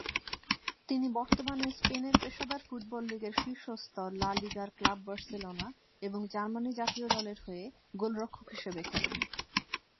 তিনি বর্তমানে স্পেনের পেশাদার ফুটবল লীগের শীর্ষ স্তর লা লিগার ক্লাব বার্সেলোনা এবং জার্মানি জাতীয় দলের হয়ে গোলরক্ষক হিসেবে খেলেন।